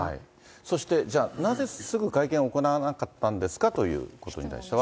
そしてじゃあ、なぜすぐ会見を行わなかったんですかということに対しては。